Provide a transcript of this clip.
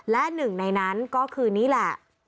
และหนึ่งในนั้นก็คือนี่แหละ